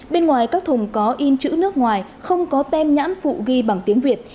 bên ngoài các thùng có in chữ nước ngoài không có tem nhãn phụ ghi bằng tiếng việt